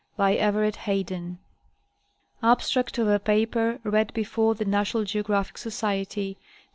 By EVERETT HAYDEN. (Abstract of a paper read before the National Geographic Society, Nov.